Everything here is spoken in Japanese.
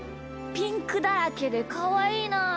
ピンクだらけでかわいいなあ。